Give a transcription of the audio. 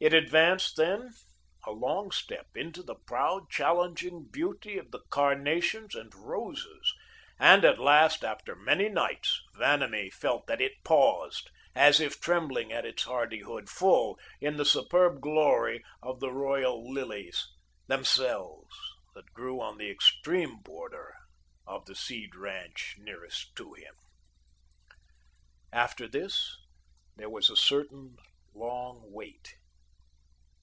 It advanced then a long step into the proud, challenging beauty of the carnations and roses; and at last, after many nights, Vanamee felt that it paused, as if trembling at its hardihood, full in the superb glory of the royal lilies themselves, that grew on the extreme border of the Seed ranch nearest to him. After this, there was a certain long wait.